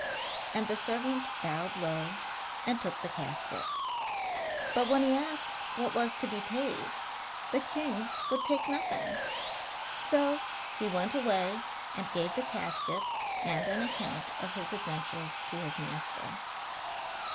And the servant bowed low, and took the casket; but when he asked what was to be paid, the king would take nothing. So he went away and gave the casket and an account of his adventures to his master.